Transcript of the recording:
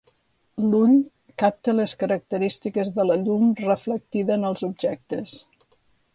L'ull capta les característiques de la llum reflectida en els objectes.